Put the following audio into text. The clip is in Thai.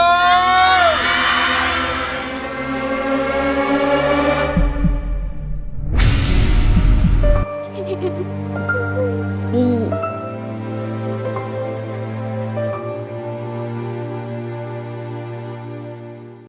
กลับไปทำฝันของปอนได้